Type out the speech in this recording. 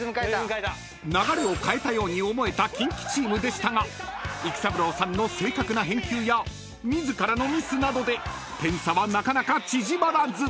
［流れを変えたように思えたキンキチームでしたが育三郎さんの正確な返球や自らのミスなどで点差はなかなか縮まらず］